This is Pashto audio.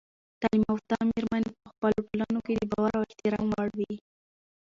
تعلیم یافته میرمنې په خپلو ټولنو کې د باور او احترام وړ وي.